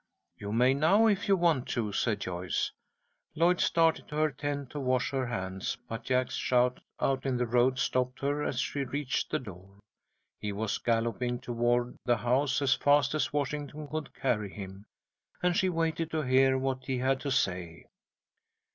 "You may now, if you want to," said Joyce. Lloyd started to her tent to wash her hands, but Jack's shout out in the road stopped her as she reached the door. He was galloping toward the house as fast as Washington could carry him, and she waited to hear what he had to say.